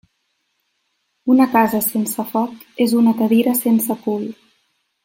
Una casa sense foc és una cadira sense cul.